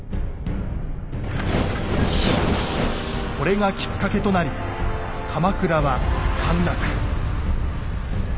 これがきっかけとなり鎌倉は陥落。